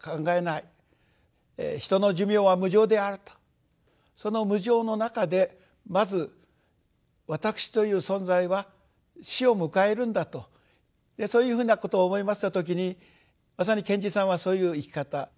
人の寿命は無常であるとその無常の中でまず私という存在は死を迎えるんだとそういうふうなことを思いました時にまさに賢治さんはそういう生き方。